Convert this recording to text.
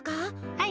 はい。